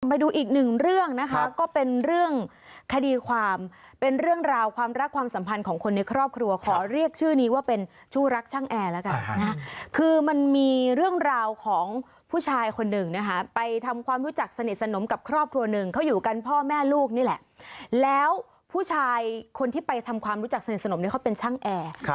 ไปดูอีกหนึ่งเรื่องนะคะก็เป็นเรื่องคดีความเป็นเรื่องราวความรักความสัมพันธ์ของคนในครอบครัวขอเรียกชื่อนี้ว่าเป็นชู้รักช่างแอร์แล้วกันนะคือมันมีเรื่องราวของผู้ชายคนหนึ่งนะคะไปทำความรู้จักสนิทสนมกับครอบครัวหนึ่งเขาอยู่กันพ่อแม่ลูกนี่แหละแล้วผู้ชายคนที่ไปทำความรู้จักสนิทสนมเนี่ยเขาเป็นช่างแอร์